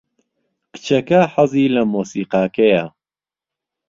کچەکە حەزی لە مۆسیقاکەیە.